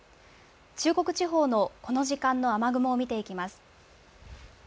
中国地方のこの時間の雨雲を見ていきます。